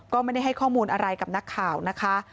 ก็ไม่ได้ให้ข้อมูลอะไรกับนักข่าวนะคะ